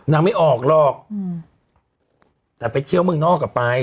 ไม่ออกหรอกอืมแต่ไปเที่ยวเมืองนอกอ่ะไป